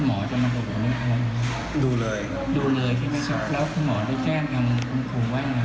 คุณหมอทำอาการผมว่าว่าน้องเป็นอะไรมา